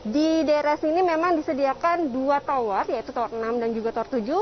di daerah sini memang disediakan dua tower yaitu tower enam dan juga tower tujuh